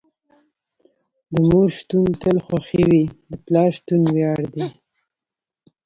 د مور شتون تل خوښې وي، د پلار شتون وياړ دي.